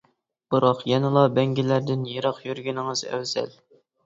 بىراق يەنىلا بەڭگىلەردىن يىراق يۈرگىنىڭىز ئەۋزەل.